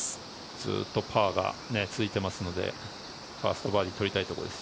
ずっとパーがついてますのでファーストバーディー取りたいところです。